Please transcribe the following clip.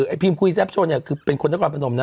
ไอ้พีมคุยเซปโทรเป็นคนทางกอร์บพนมนะ